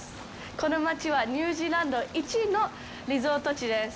この街はニュージーランド一のリゾート地です。